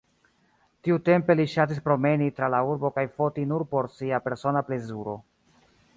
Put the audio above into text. Tiutempe li ŝatis promeni tra la urbo kaj foti nur por sia persona plezuro.